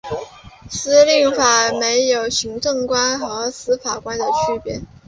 律令法没有行政官和司法官的区别。